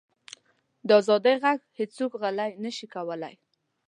د ازادۍ ږغ هیڅوک غلی نه شي کولی.